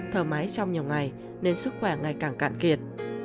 thở máy trong nhiều ngày nên sức khỏe ngày càng cạn kiệt